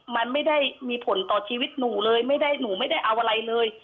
มันไม่ได้มีผลต่อชีวิตหนูเลยไม่ได้หนูไม่ได้เอาอะไรเลย